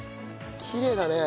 きれいだね。